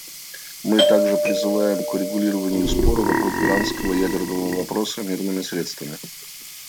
Мы также призываем к урегулированию спора вокруг иранского ядерного вопроса мирными средствами.